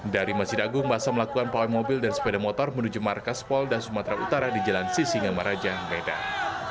dari masjid agung basah melakukan pawai mobil dan sepeda motor menuju markas pol dan sumatera utara di jalan sisi ngemarajah medan